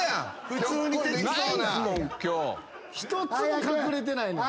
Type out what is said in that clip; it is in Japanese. ひとつも隠れてないねん。